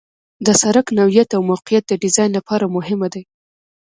د سرک نوعیت او موقعیت د ډیزاین لپاره مهم دي